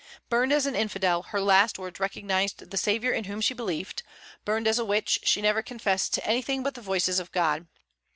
Burned as an infidel, her last words recognized the Saviour in whom she believed; burned as a witch, she never confessed to anything but the voices of God.